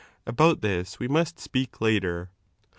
About this we must speak later.